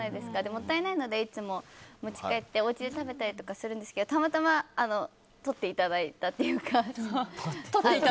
もったいないのでいつも持ち帰っておうちで食べたりするんですけどたまたま撮っていただいたというか。